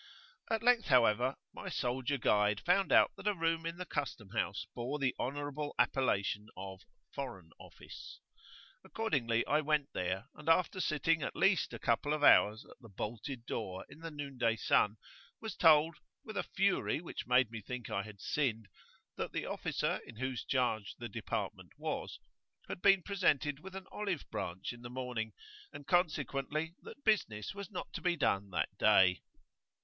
At length, however, my soldier guide found out that [p.22]a room in the custom house bore the honourable appellation of "Foreign Office." Accordingly I went there, and, after sitting at least a couple of hours at the bolted door in the noon day sun, was told, with a fury which made me think I had sinned, that the officer in whose charge the department was, had been presented with an olive branch in the morning, and consequently that business was not to be done that day.